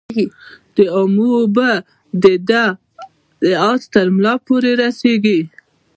د امو اوبه د ده د آس ترملا پوري رسیږي.